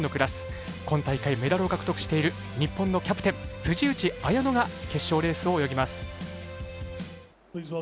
今大会、メダルを獲得している日本のキャプテン辻内彩野が決勝レースを泳ぎます。